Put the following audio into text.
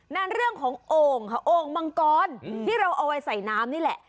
นั่นเรื่องของโอ่งค่ะโอ่งมังกรที่เราเอาไว้ใส่น้ำนี่แหละ